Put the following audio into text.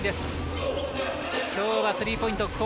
きょうはスリーポイント